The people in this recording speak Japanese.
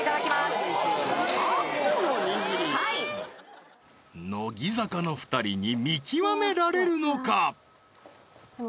はい乃木坂の２人に見極められるのか？